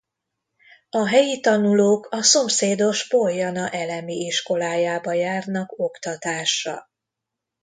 A helyi tanulók a szomszédos Poljana elemi iskolájába járnak oktatásra.